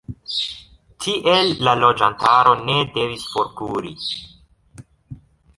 Tiel la loĝantaro ne devis forkuri.